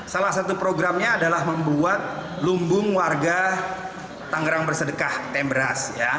salah satu programnya adalah membuat lumbung warga tanggerang bersedekah tem beras